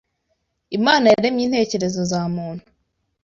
Imana yaremye intekerezo za muntu